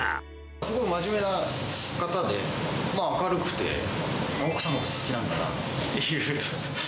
すごい真面目な方で、明るくて、奥様が好きなんだなっていう。